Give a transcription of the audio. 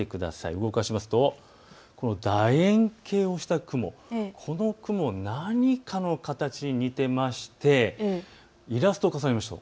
動かしますとだ円形をした雲、この雲、何かの形に似ていてイラストを重ねましょう。